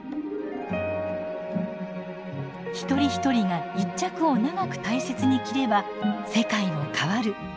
一人一人が１着を長く大切に着れば世界も変わる。